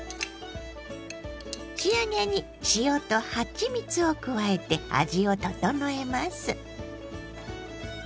仕上げに塩とはちみつを加えて味を調えます。